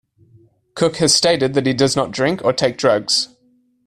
Cook has stated that he does not drink or take drugs.